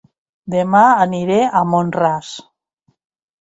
Dema aniré a Mont-ras